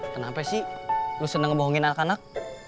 kenapa sih lu seneng ngebohongin anak anak